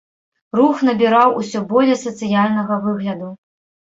Рух набіраў усё болей сацыяльнага выгляду.